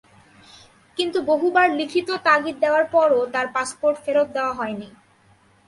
কিন্তু বহুবার লিখিত তাগিদ দেওয়ার পরও তাঁর পাসপোর্ট ফেরত দেওয়া হয়নি।